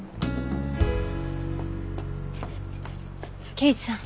刑事さん。